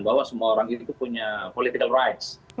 bahwa semua orang itu punya political rights